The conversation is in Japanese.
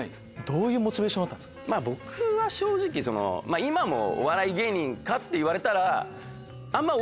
僕は正直今もお笑い芸人か？って言われたら。